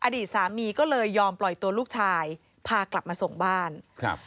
อดีตสามีก็เลยยอมปล่อยตัวลูกชายพากลับมาส่งบ้านครับ